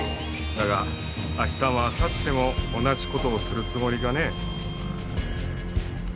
だがあしたもあさっても同じことをするつもりかねえ。